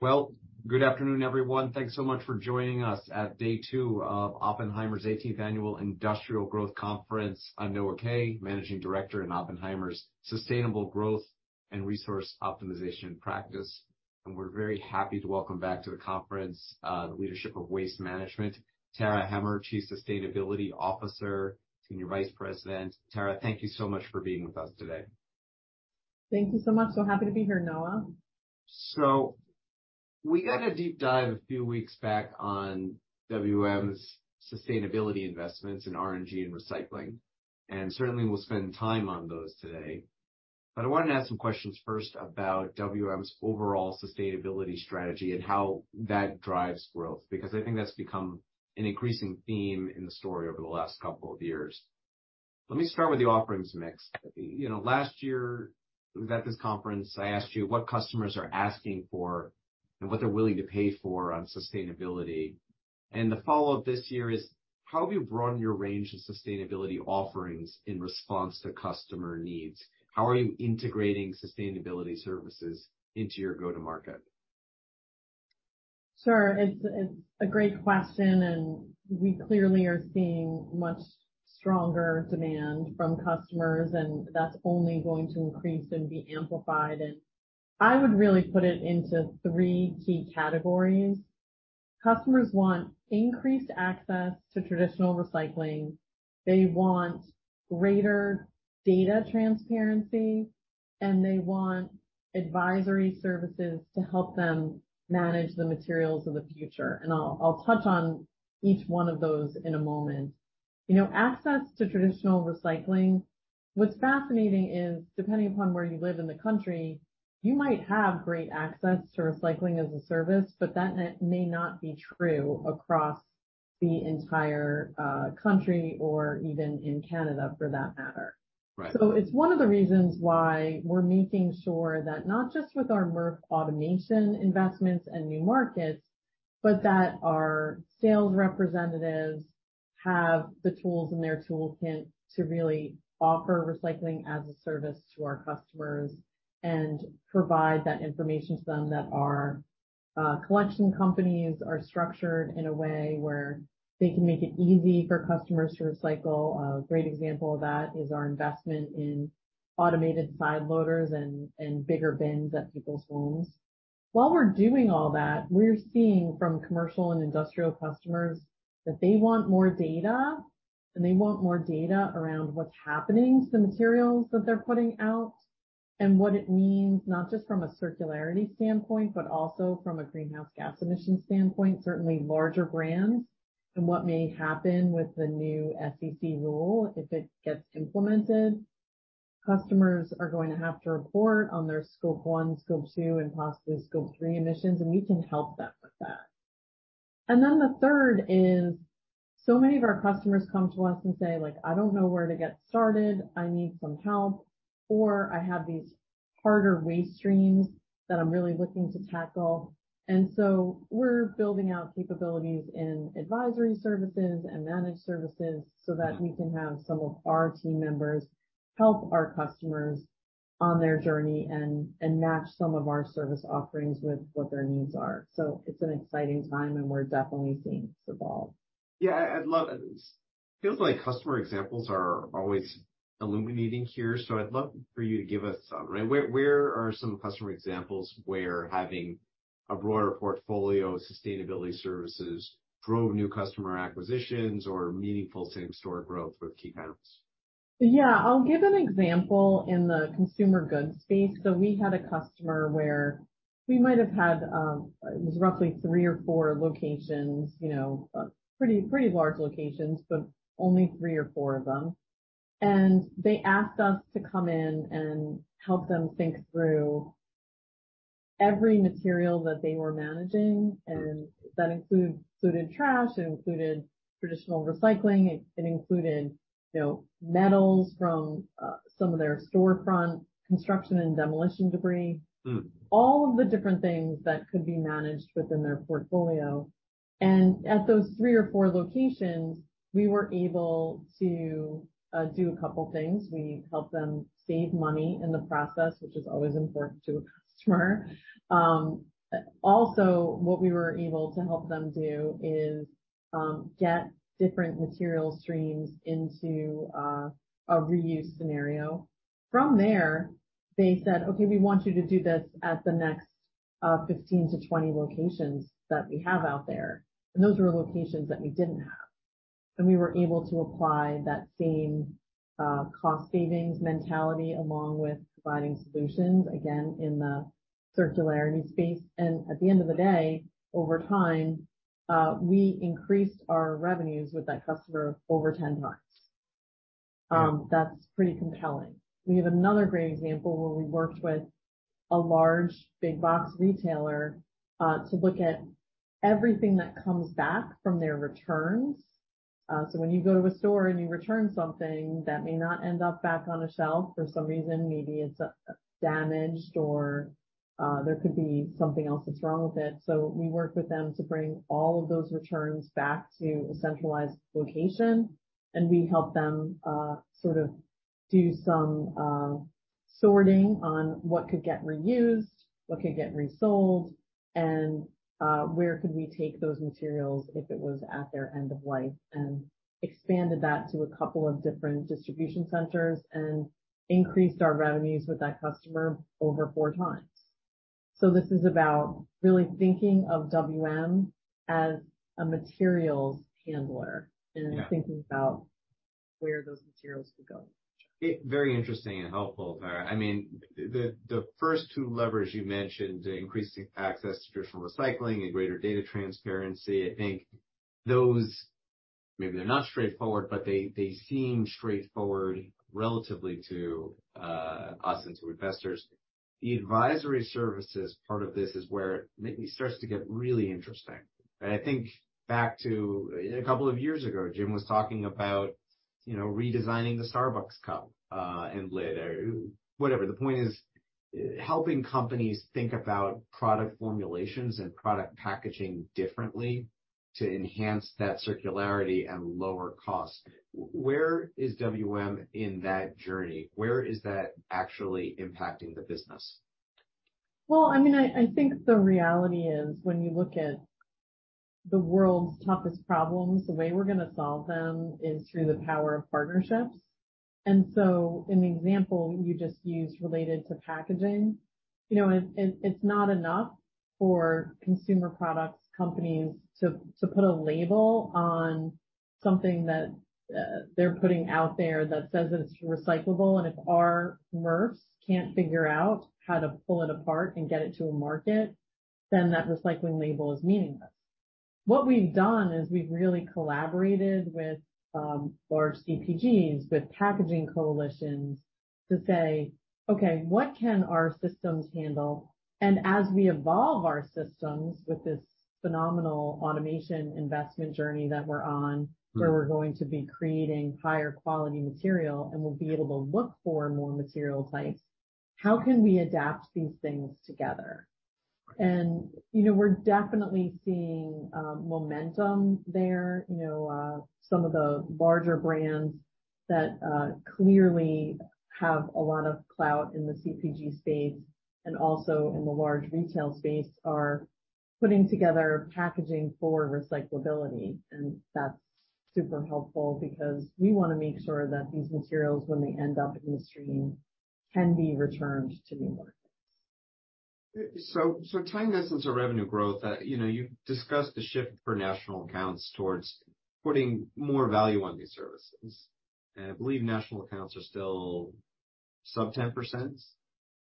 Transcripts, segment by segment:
Well, good afternoon, everyone. Thanks so much for joining us at day two of Oppenheimer's 18th Annual Industrial Growth Conference. I'm Noah Kaye, Managing Director in Oppenheimer's Sustainable Growth and Resource Optimization Practice, and we're very happy to welcome back to the conference, the leadership of Waste Management. Tara Hemmer, Chief Sustainability Officer, Senior Vice President. Tara, thank you so much for being with us today. Thank you so much. Happy to be here, Noah. We got a deep dive a few weeks back on WM's sustainability investments in RNG and recycling, and certainly we'll spend time on those today. I wanted to ask some questions first about WM's overall sustainability strategy and how that drives growth, because I think that's become an increasing theme in the story over the last couple of years. Let me start with the offerings mix. You know, last year we were at this conference, I asked you what customers are asking for and what they're willing to pay for on sustainability. The follow-up this year is, how have you broadened your range of sustainability offerings in response to customer needs? How are you integrating sustainability services into your go-to market? Sure. It's a great question. We clearly are seeing much stronger demand from customers. That's only going to increase and be amplified. I would really put it into three key categories. Customers want increased access to traditional recycling, they want greater data transparency, and they want advisory services to help them manage the materials of the future. I'll touch on each one of those in a moment. You know, access to traditional recycling, what's fascinating is, depending upon where you live in the country, you might have great access to recycling as a service, but that may not be true across the entire country or even in Canada for that matter. Right. It's one of the reasons why we're making sure that not just with our MRF automation investments and new markets, but that our sales representatives have the tools in their toolkit to really offer recycling as a service to our customers and provide that information to them that our collection companies are structured in a way where they can make it easy for customers to recycle. A great example of that is our investment in automated side loaders and bigger bins at people's homes. While we're doing all that, we're seeing from commercial and industrial customers that they want more data, and they want more data around what's happening to the materials that they're putting out and what it means, not just from a circularity standpoint, but also from a greenhouse gas emissions standpoint, certainly larger brands, and what may happen with the new SEC rule if it gets implemented. Customers are going to have to report on their Scope 1, Scope 2, and possibly Scope 3 emissions, and we can help them with that. The third is so many of our customers come to us and say, like, "I don't know where to get started. I need some help," or, "I have these harder waste streams that I'm really looking to tackle." We're building out capabilities in advisory services and managed services so that we can have some of our team members help our customers on their journey and match some of our service offerings with what their needs are. It's an exciting time and we're definitely seeing this evolve. Yeah. It feels like customer examples are always illuminating here, so I'd love for you to give us some. Where are some customer examples where having a broader portfolio of sustainability services drove new customer acquisitions or meaningful same store growth with key accounts? Yeah. I'll give an example in the consumer goods space. We had a customer where we might have had, it was roughly three or four locations, you know, pretty large locations, but only three or four of them. They asked us to come in and help them think through every material that they were managing. That included trash, it included traditional recycling, it included, you know, metals from, some of their storefront construction and demolition debris. Mm. All of the different things that could be managed within their portfolio. At those three or four locations, we were able to do a couple things. We helped them save money in the process, which is always important to a customer. Also what we were able to help them do is get different material streams into a reuse scenario. From there, they said, "Okay, we want you to do this at the next 15 to 20 locations that we have out there." Those were locations that we didn't have. We were able to apply that same cost savings mentality along with providing solutions, again, in the circularity space. At the end of the day, over time, we increased our revenues with that customer over 10x. That's pretty compelling. We have another great example where we worked with a large big box retailer, to look at everything that comes back from their returns. When you go to a store and you return something that may not end up back on a shelf for some reason, maybe it's damaged or there could be something else that's wrong with it. We worked with them to bring all of those returns back to a centralized location, and we helped them, Do some sorting on what could get reused, what could get resold, and where could we take those materials if it was at their end of life, and expanded that to a couple of different distribution centers and increased our revenues with that customer over four times. This is about really thinking of WM as a materials handler. Yeah. Thinking about where those materials could go. Very interesting and helpful, Tara. I mean, the first two levers you mentioned, increasing access to traditional recycling and greater data transparency, I think those, maybe they're not straightforward, but they seem straightforward relatively to, us and to investors. The advisory services part of this is where it maybe starts to get really interesting. I think back to a couple of years ago, Jim was talking about, you know, redesigning the Starbucks cup and lid or whatever. The point is helping companies think about product formulations and product packaging differently to enhance that circularity and lower costs. Where is WM in that journey? Where is that actually impacting the business? Well, I mean, I think the reality is when you look at the world's toughest problems, the way we're gonna solve them is through the power of partnerships. An example you just used related to packaging. You know, it's not enough for consumer products companies to put a label on something that they're putting out there that says it's recyclable, and if our MRFs can't figure out how to pull it apart and get it to a market, then that recycling label is meaningless. What we've done is we've really collaborated with large CPGs, with packaging coalitions to say, "Okay, what can our systems handle? As we evolve our systems with this phenomenal automation investment journey that we're on, where we're going to be creating higher quality material, and we'll be able to look for more material types, how can we adapt these things together? You know, we're definitely seeing momentum there. You know, some of the larger brands that clearly have a lot of clout in the CPG space and also in the large retail space are putting together packaging for recyclability. That's super helpful because we wanna make sure that these materials, when they end up in the stream, can be returned to new markets. Tying this into revenue growth, you know, you've discussed the shift for national accounts towards putting more value on these services. I believe national accounts are still sub 10%?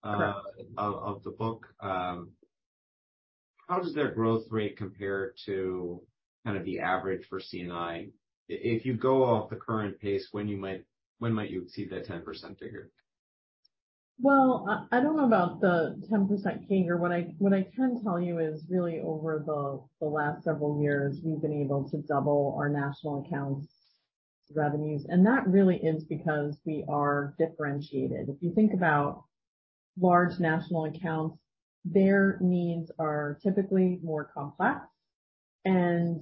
Correct. Of the book. How does their growth rate compare to kind of the average for C&I? If you go off the current pace, when might you exceed that 10% figure? Well, I don't know about the 10% figure. What I can tell you is really over the last several years, we've been able to double our national accounts revenues, and that really is because we are differentiated. If you think about large national accounts, their needs are typically more complex, and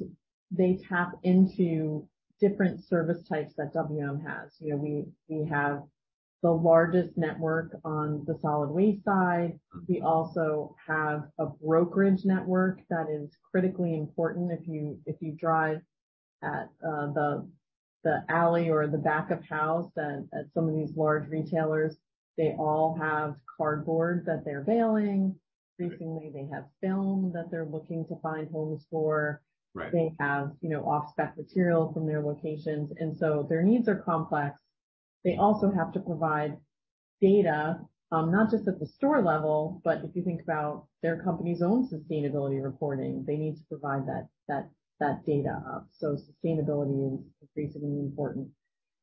they tap into different service types that WM has. You know, we have the largest network on the solid waste side. We also have a brokerage network that is critically important. If you drive at the alley or the back of house at some of these large retailers, they all have cardboard that they're bailing. Recently, they have film that they're looking to find homes for. Right. They have, you know, off-spec material from their locations, and so their needs are complex. They also have to provide data, not just at the store level, but if you think about their company's own sustainability reporting, they need to provide that data up. Sustainability is increasingly important.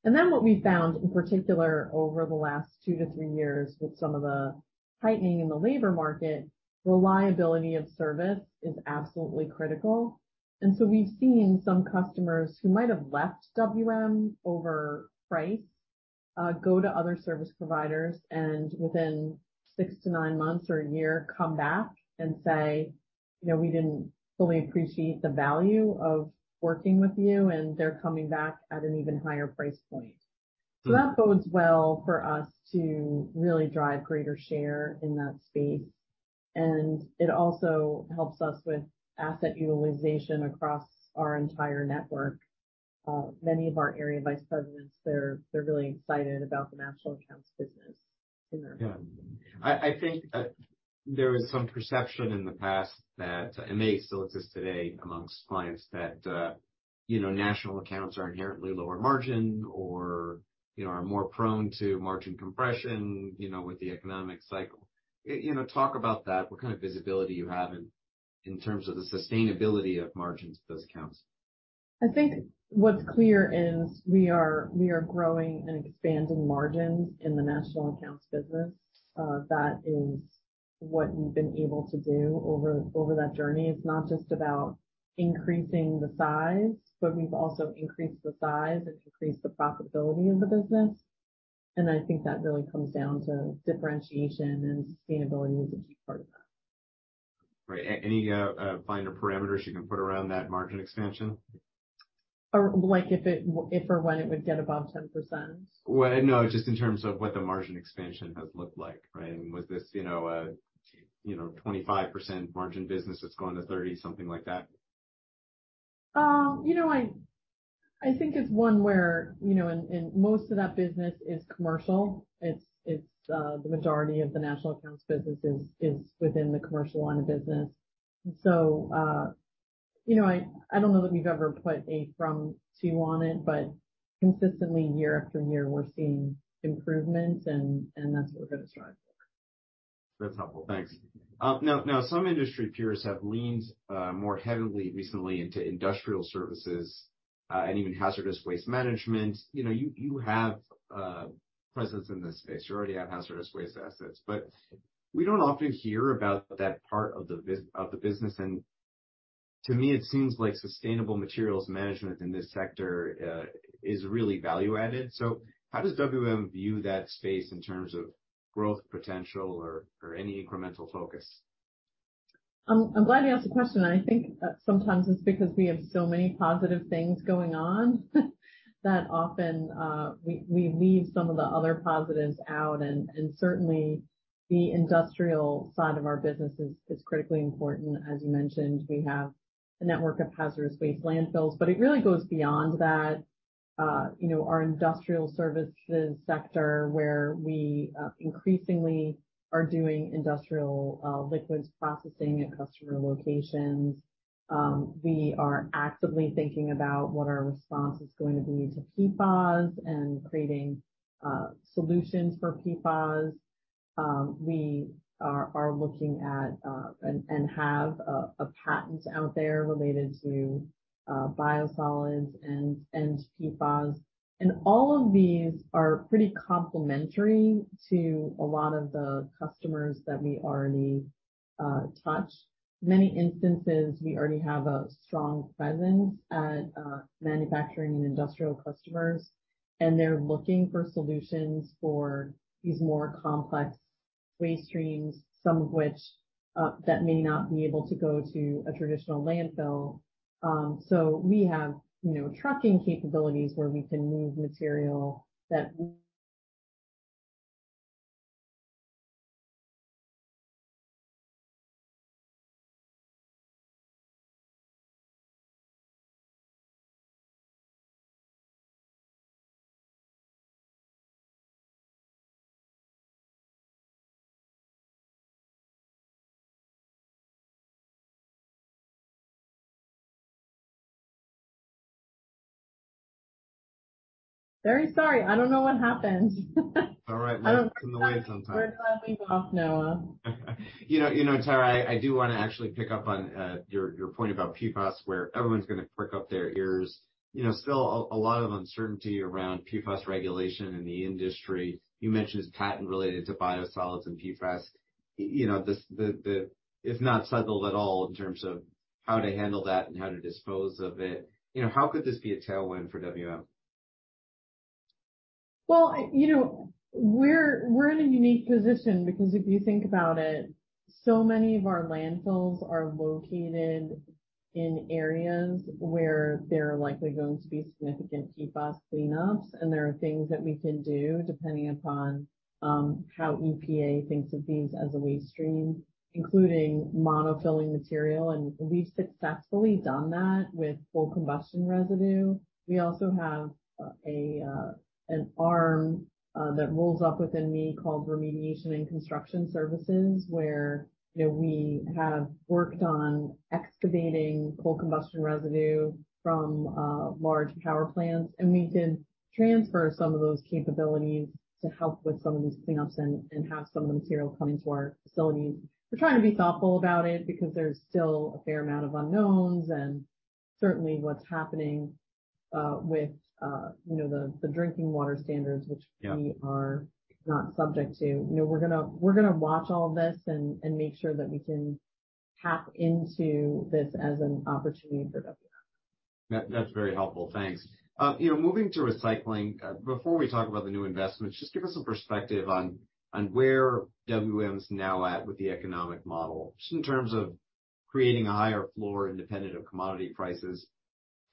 And then what we found in particular over the last twoto three years with some of the tightening in the labor market, reliability of service is absolutely critical. And so we've seen some customers who might have left WM over price, go to other service providers, and within six to nine months or one year, come back and say, "You know, we didn't fully appreciate the value of working with you," and they're coming back at an even higher price point. Mm. That bodes well for us to really drive greater share in that space, and it also helps us with asset utilization across our entire network. Many of our area vice presidents, they're really excited about the national accounts business. Yeah. I think, there was some perception in the past that, it may still exist today amongst clients that, you know, national accounts are inherently lower margin or, you know, are more prone to margin compression, you know, with the economic cycle. You know, talk about that, what kind of visibility you have in terms of the sustainability of margins of those accounts? I think what's clear is we are growing and expanding margins in the national accounts business. That is what we've been able to do over that journey. It's not just about increasing the size, but we've also increased the size and increased the profitability of the business. I think that really comes down to differentiation, and sustainability is a key part of that. Right. Any finer parameters you can put around that margin expansion? Like if it or when it would get above 10%? Well, no, just in terms of what the margin expansion has looked like, right? Was this, you know, a, you know, 25% margin business that's going to 30, something like that? You know, I think it's one where, you know, and most of that business is commercial. It's the majority of the national accounts business is within the commercial line of business. you know, I don't know that we've ever put a from-to on it, but consistently year-after-year, we're seeing improvements and that's what we're gonna strive for. That's helpful. Thanks. Now some industry peers have leaned more heavily recently into industrial services and even hazardous waste management. You know, you have a presence in this space. You already have hazardous waste assets, but we don't often hear about that part of the business. To me, it seems like sustainable materials management in this sector is really value-added. How does WM view that space in terms of growth potential or any incremental focus? I'm glad you asked the question. I think sometimes it's because we have so many positive things going on that often, we leave some of the other positives out, certainly the industrial side of our business is critically important. As you mentioned, we have a network of hazardous waste landfills, it really goes beyond that. You know, our industrial services sector where we increasingly are doing industrial liquids processing at customer locations. We are actively thinking about what our response is going to be to PFAS and creating solutions for PFAS. We are looking at and have a patent out there related to biosolids and PFAS. All of these are pretty complementary to a lot of the customers that we already touch. Many instances, we already have a strong presence at manufacturing and industrial customers. They're looking for solutions for these more complex waste streams, some of which that may not be able to go to a traditional landfill. We have, you know, trucking capabilities where we can move material that. Very sorry. I don't know what happened. It's all right. Life comes in the way sometimes. We're glad we got Noah. You know, Tara, I do wanna actually pick up on your point about PFAS where everyone's gonna prick up their ears. You know, still a lot of uncertainty around PFAS regulation in the industry. You mentioned patent related to biosolids and PFAS. You know, if not settled at all in terms of how to handle that and how to dispose of it, you know, how could this be a tailwind for WM? You know, we're in a unique position because if you think about it, so many of our landfills are located in areas where there are likely going to be significant PFAS cleanups. There are things that we can do depending upon how EPA thinks of these as a waste stream, including monofilling material, and we've successfully done that with full combustion residue. We also have an arm that rolls up within me called Remediation and Construction Services, where, you know, we have worked on excavating coal combustion residuals from large power plants. We can transfer some of those capabilities to help with some of these cleanups and have some of the material coming to our facilities. We're trying to be thoughtful about it because there's still a fair amount of unknowns and certainly what's happening with, you know, the drinking water standards. Yeah. We are not subject to. You know, we're gonna watch all this and make sure that we can tap into this as an opportunity for WM. That's very helpful. Thanks. You know, moving to recycling, before we talk about the new investments, just give us some perspective on where WM's now at with the economic model, just in terms of creating a higher floor independent of commodity prices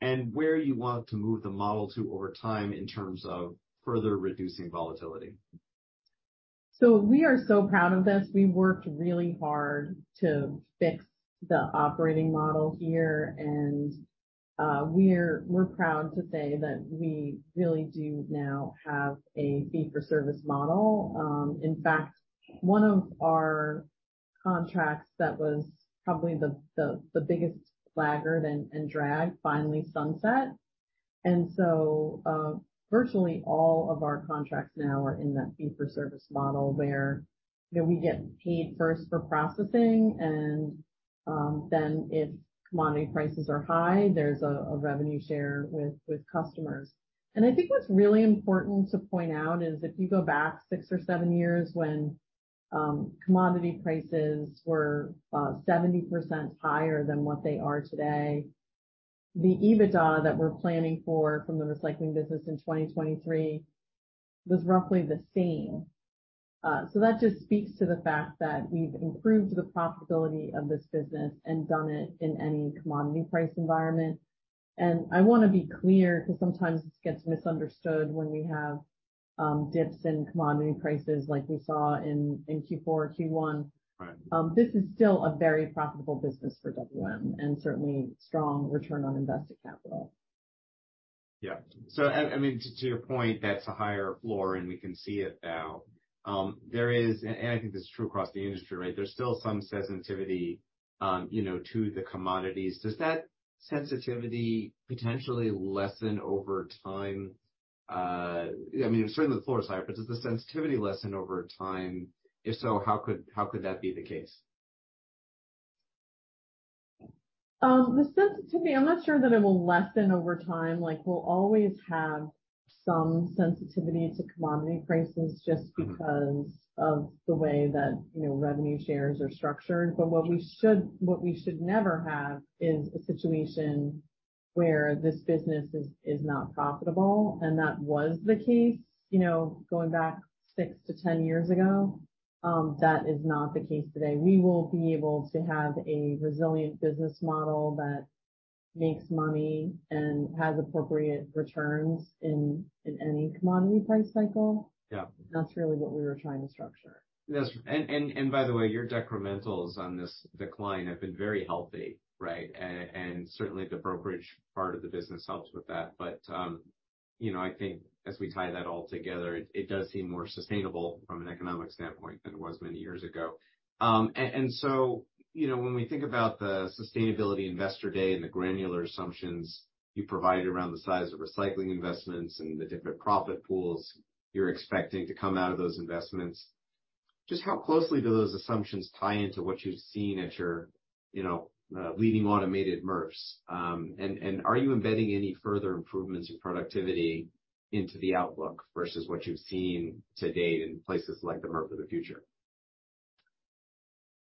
and where you want to move the model to over time in terms of further reducing volatility. We are so proud of this. We worked really hard to fix the operating model here and we're proud to say that we really do now have a fee-for-service model. In fact, one of our contracts that was probably the biggest laggard and drag finally sunset. Virtually all of our contracts now are in that fee-for-service model where, you know, we get paid first for processing, and then if commodity prices are high, there's a revenue share with customers. I think what's really important to point out is if you go back six or seven years when commodity prices were 70% higher than what they are today, the EBITDA that we're planning for from the recycling business in 2023 was roughly the same. That just speaks to the fact that we've improved the profitability of this business and done it in any commodity price environment. I wanna be clear, 'cause sometimes this gets misunderstood when we have dips in commodity prices like we saw in Q4 or Q1. Right. This is still a very profitable business for WM and certainly strong return on invested capital. I mean, to your point, that's a higher floor and we can see it now. I think this is true across the industry, right? There's still some sensitivity, you know, to the commodities. Does that sensitivity potentially lessen over time? I mean, certainly the floor is higher, does the sensitivity lessen over time? If so, how could that be the case? The sensitivity, I'm not sure that it will lessen over time. Like, we'll always have some sensitivity to commodity prices. Mm-hmm. Of the way that, you know, revenue shares are structured. What we should never have is a situation where this business is not profitable, and that was the case, you know, going back six to 10 years ago. That is not the case today. We will be able to have a resilient business model that makes money and has appropriate returns in any commodity price cycle. Yeah. That's really what we were trying to structure. And by the way, your decrementals on this decline have been very healthy, right? Certainly the brokerage part of the business helps with that. You know, I think as we tie that all together, it does seem more sustainable from an economic standpoint than it was many years ago. You know, when we think about the Sustainability Investor Day and the granular assumptions you provided around the size of recycling investments and the different profit pools you're expecting to come out of those investments, just how closely do those assumptions tie into what you've seen at your, you know, leading automated MRFs? Are you embedding any further improvements in productivity into the outlook versus what you've seen to date in places like the MRF of the Future?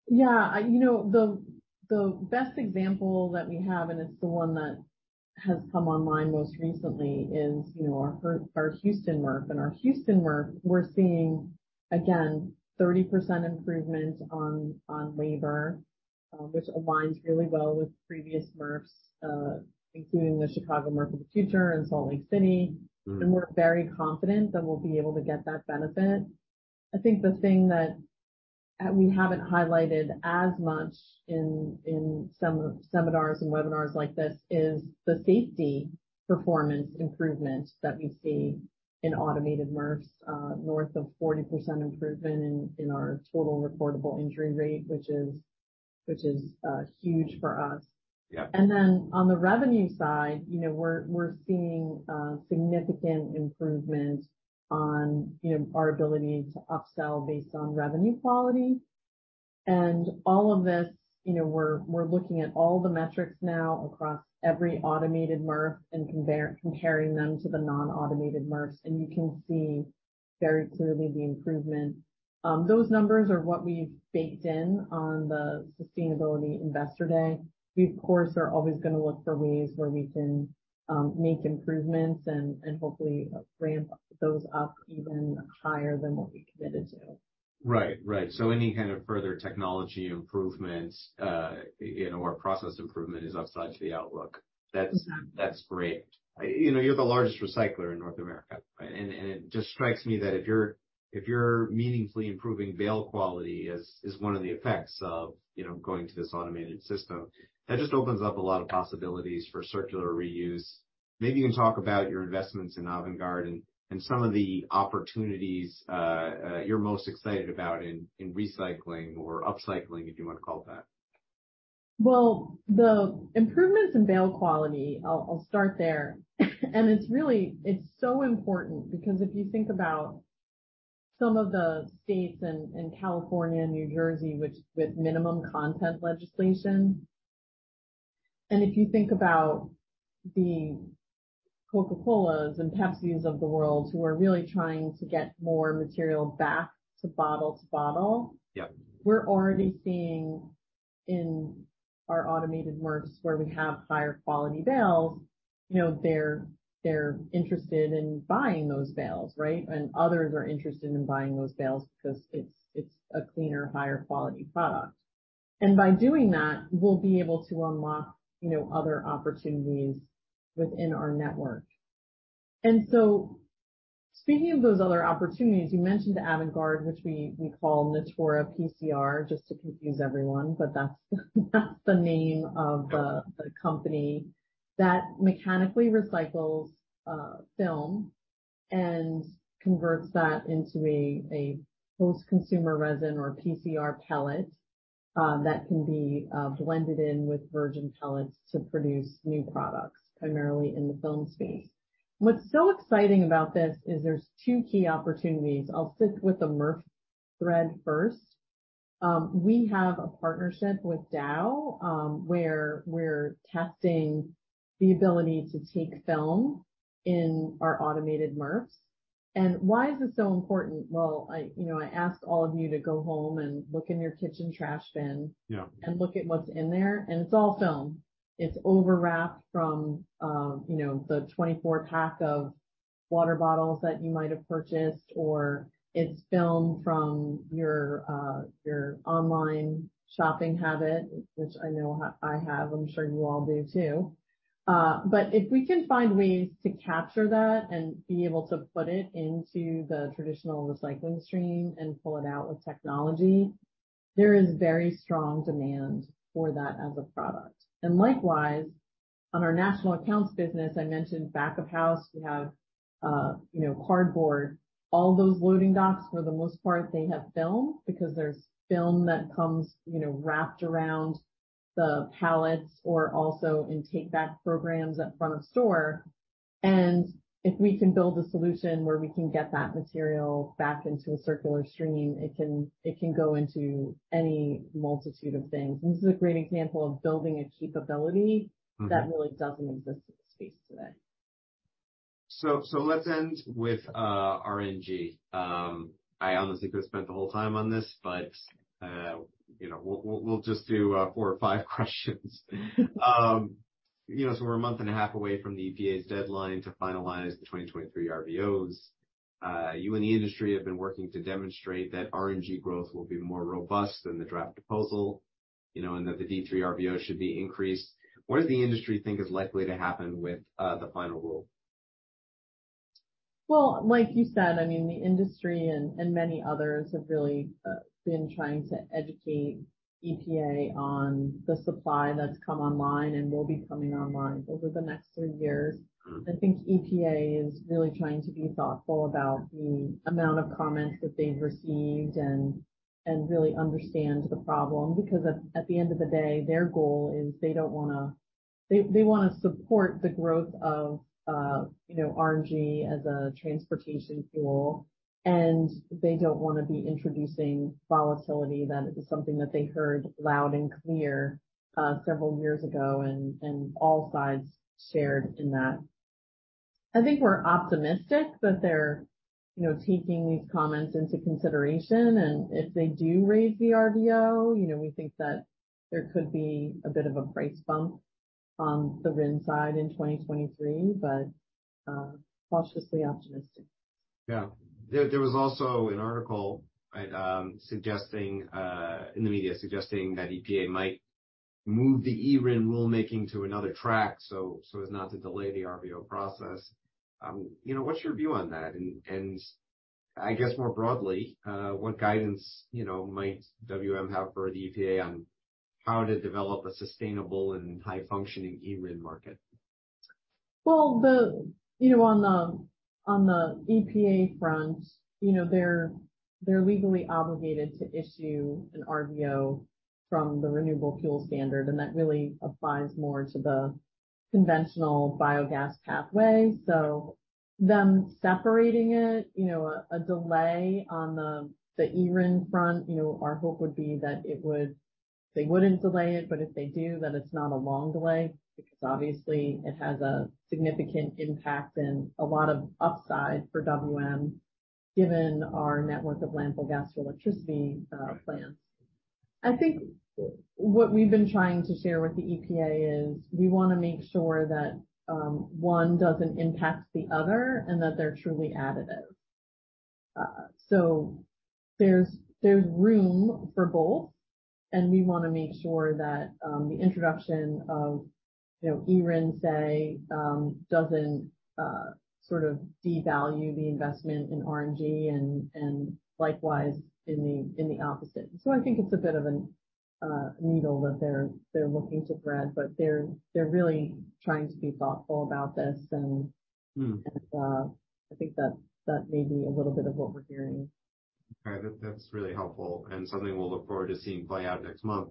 Yeah. You know, the best example that we have, and it's the one that has come online most recently, is, you know, our Houston MRF. In our Houston MRF, we're seeing, again, 30% improvement on labor, which aligns really well with previous MRFs, including the Chicago MRF of the Future and Salt Lake City. Mm-hmm. We're very confident that we'll be able to get that benefit. I think the thing that we haven't highlighted as much in some seminars and webinars like this is the safety performance improvement that we see in automated MRFs, north of 40% improvement in our Total Recordable Incident Rate, which is huge for us. Yeah. On the revenue side, you know, we're seeing significant improvement on, you know, our ability to upsell based on revenue quality. All of this, you know, we're looking at all the metrics now across every automated MRF and comparing them to the non-automated MRFs, and you can see very clearly the improvement. Those numbers are what we've baked in on the Sustainability Investor Day. We, of course, are always gonna look for ways where we can make improvements and hopefully ramp those up even higher than what we committed to. Right. Right. Any kind of further technology improvements, you know, or process improvement is outside the outlook. Mm-hmm. That's great. You know, you're the largest recycler in North America, right? It just strikes me that if you're meaningfully improving bale quality as one of the effects of, you know, going to this automated system, that just opens up a lot of possibilities for circular reuse. Maybe you can talk about your investments in Avangard and some of the opportunities you're most excited about in recycling or upcycling, if you wanna call it that. Well, the improvements in bale quality, I'll start there. It's really, it's so important because if you think about some of the states in California and New Jersey, which with minimum content legislation, and if you think about the Coca-Colas and Pepsis of the world who are really trying to get more material back to bottle to bottle. Yeah. we're already seeing in our automated MRFs where we have higher quality bales, you know, they're interested in buying those bales, right? Others are interested in buying those bales 'cause it's a cleaner, higher quality product. By doing that, we'll be able to unlock, you know, other opportunities within our network. Speaking of those other opportunities, you mentioned Avangard Innovative, which we call Natura PCR, just to confuse everyone. That's the name of the company that mechanically recycles film and converts that into a post-consumer resin or PCR pellet that can be blended in with virgin pellets to produce new products, primarily in the film space. What's so exciting about this is there's two key opportunities. I'll stick with the MRF thread first. We have a partnership with Dow, where we're testing the ability to take film in our automated MRFs. Why is this so important? Well, I, you know, I ask all of you to go home and look in your kitchen trash bin. Yeah. Look at what's in there, and it's all film. It's overwrap from, you know, the 24 pack of water bottles that you might have purchased or it's film from your online shopping habit, which I know I have, I'm sure you all do too. If we can find ways to capture that and be able to put it into the traditional recycling stream and pull it out with technology, there is very strong demand for that as a product. Likewise, on our national accounts business, I mentioned back of house, we have, you know, cardboard. All those loading docks for the most part, they have film because there's film that comes, you know, wrapped around the pallets or also in take-back programs at front of store. If we can build a solution where we can get that material back into a circular stream, it can go into any multitude of things. This is a great example of building a capability. Mm-hmm. That really doesn't exist in the space today. Let's end with RNG. I honestly could have spent the whole time on this, but, you know, we'll just do four or five questions. You know, we're a month and a half away from the EPA's deadline to finalize the 2023 RVOs. You and the industry have been working to demonstrate that RNG growth will be more robust than the draft proposal, you know, and that the D3 RVO should be increased. What does the industry think is likely to happen with the final rule? Well, like you said, I mean, the industry and many others have really been trying to educate EPA on the supply that's come online and will be coming online over the next three years. I think EPA is really trying to be thoughtful about the amount of comments that they've received and really understand the problem, because at the end of the day, their goal is they wanna support the growth of, you know, RNG as a transportation fuel, and they don't wanna be introducing volatility. That is something that they heard loud and clear several years ago, and all sides shared in that. I think we're optimistic that they're, you know, taking these comments into consideration, and if they do raise the RVO, you know, we think that there could be a bit of a price bump on the RIN side in 2023, but cautiously optimistic. Yeah. There was also an article, right, suggesting in the media that EPA might move the eRIN rulemaking to another track so as not to delay the RVO process. You know, what's your view on that? I guess more broadly, what guidance, you know, might WM have for the EPA on how to develop a sustainable and high-functioning eRIN market? Well, you know, on the EPA front, you know, they're legally obligated to issue an RVO from the Renewable Fuel Standard, and that really applies more to the conventional biogas pathway. Them separating it, you know, a delay on the eRIN front, you know, our hope would be that they wouldn't delay it, but if they do, then it's not a long delay, because obviously it has a significant impact and a lot of upside for WM, given our network of landfill gas to electricity plants. I think what we've been trying to share with the EPA is we wanna make sure that one doesn't impact the other and that they're truly additive. So there's room for both, and we wanna make sure that, the introduction of, you know, eRIN, say, doesn't, sort of devalue the investment in RNG and likewise in the, in the opposite. I think it's a bit of an needle that they're looking to thread, but they're really trying to be thoughtful about this. Mm. I think that may be a little bit of what we're hearing. All right. That's really helpful and something we'll look forward to seeing play out next month.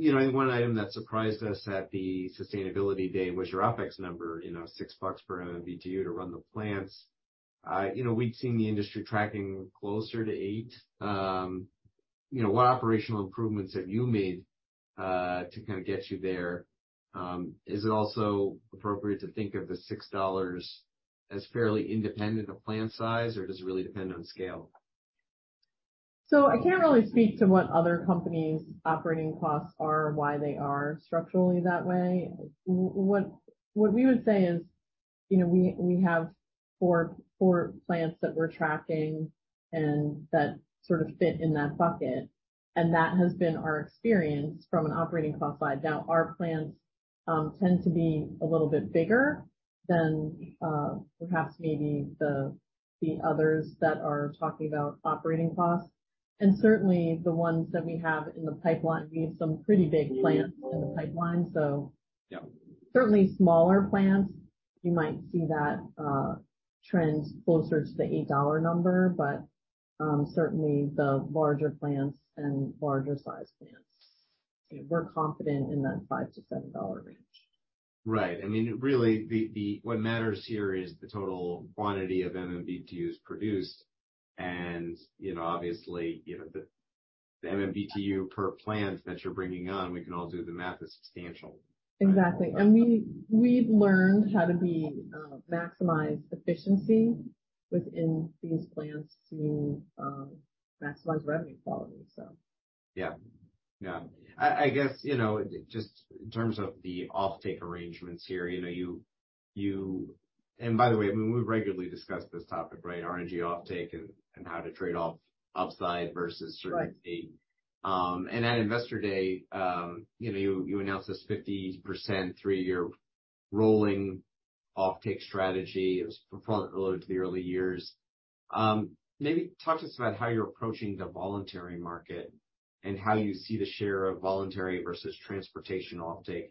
You know, one item that surprised us at the Sustainability Day was your OpEx number, you know, $6 per MMBtu to run the plants. You know, we'd seen the industry tracking closer to $8. You know, what operational improvements have you made to kinda get you there? Is it also appropriate to think of the $6 as fairly independent of plant size, or does it really depend on scale? I can't really speak to what other companies' operating costs are and why they are structurally that way. What we would say is, you know, we have four plants that we're tracking and that sort of fit in that bucket, and that has been our experience from an operating cost side. Our plants tend to be a little bit bigger than perhaps maybe the others that are talking about operating costs. Certainly, the ones that we have in the pipeline, we have some pretty big plants in the pipeline. Yeah. Certainly smaller plants, you might see that, trends closer to the $8 number, but certainly the larger plants and larger sized plants, we're confident in that $5-$7 range. Right. I mean, really the what matters here is the total quantity of MMBtus produced and, you know, obviously, you know, the MMBtu per plant that you're bringing on, we can all do the math, is substantial. Exactly. I mean, we've learned how to maximize efficiency within these plans to maximize revenue quality, so. Yeah. Yeah. I guess, you know, just in terms of the offtake arrangements here, you know, you. By the way, I mean, we regularly discuss this topic, right? RNG offtake and how to trade off upside. Right. At Investor Day, you know, you announced this 50% three-year rolling offtake strategy. It was front-loaded to the early years. Maybe talk to us about how you're approaching the voluntary market and how you see the share of voluntary versus transportation offtake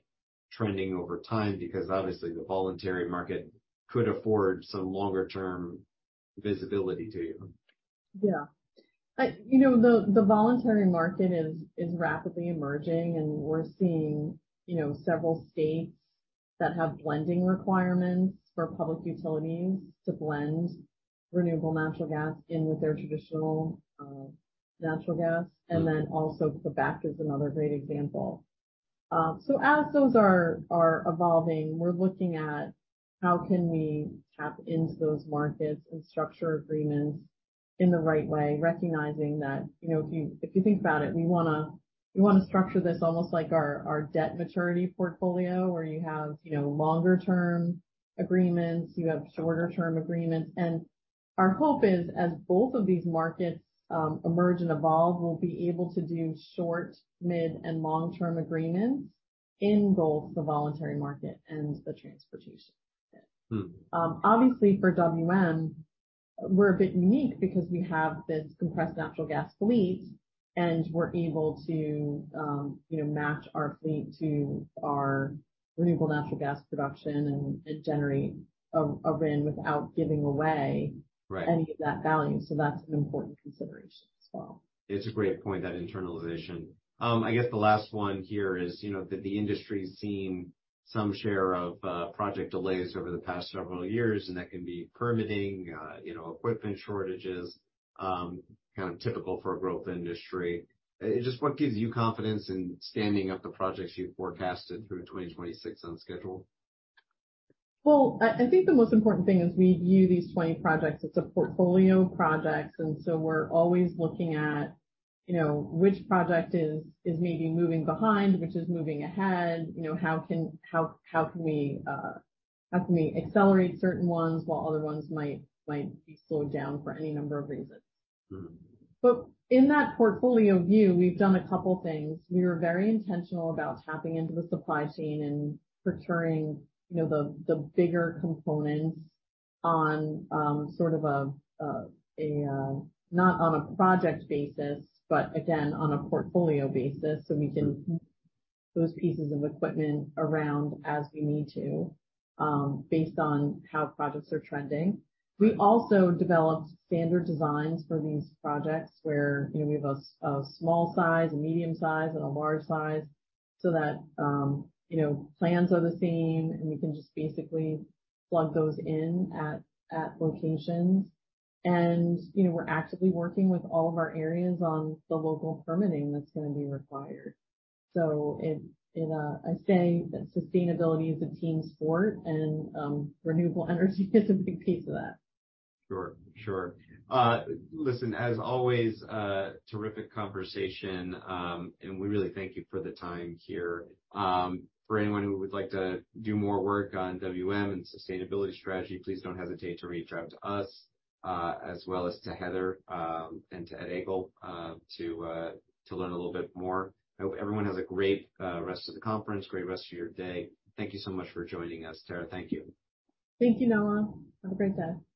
trending over time, because obviously the voluntary market could afford some longer term visibility to you. Yeah. You know, the voluntary market is rapidly emerging, and we're seeing, you know, several states that have blending requirements for public utilities to blend renewable natural gas in with their traditional natural gas. Also the BAC is another great example. As those are evolving, we're looking at how can we tap into those markets and structure agreements in the right way, recognizing that, you know, if you think about it, we wanna structure this almost like our debt maturity portfolio, where you have, you know, longer term agreements, you have shorter term agreements. Our hope is, as both of these markets emerge and evolve, we'll be able to do short, mid, and long-term agreements in both the voluntary market and the transportation. Mm. Obviously for WM, we're a bit unique because we have this compressed natural gas fleet, and we're able to, you know, match our fleet to our renewable natural gas production and generate a RIN without giving away... Right. -any of that value, so that's an important consideration as well. It's a great point, that internalization. I guess the last one here is, you know, that the industry's seen some share of project delays over the past several years, and that can be permitting, you know, equipment shortages, kind of typical for a growth industry. Just what gives you confidence in standing up the projects you've forecasted through 2026 on schedule? I think the most important thing is we view these 20 projects as a portfolio of projects, and so we're always looking at, you know, which project is maybe moving behind, which is moving ahead. You know, how can we accelerate certain ones while other ones might be slowed down for any number of reasons. Mm. In that portfolio view, we've done a couple things. We were very intentional about tapping into the supply chain and procuring, you know, the bigger components on, sort of a, not on a project basis, but again, on a portfolio basis, so we can move those pieces of equipment around as we need to, based on how projects are trending. We also developed standard designs for these projects where, you know, we have a small size, a medium size, and a large size so that, you know, plans are the same, and we can just basically plug those in at locations. You know, we're actively working with all of our areas on the local permitting that's gonna be required. I say that sustainability is a team sport and renewable energy is a big piece of that. Sure, sure. Listen, as always, terrific conversation, we really thank you for the time here. For anyone who would like to do more work on WM and sustainability strategy, please don't hesitate to reach out to us, as well as to Heather, and to Ed Egl, to learn a little bit more. I hope everyone has a great rest of the conference. Great rest of your day. Thank you so much for joining us, Tara. Thank you. Thank you, Noah. Have a great day.